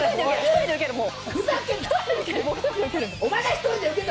１人で受ける。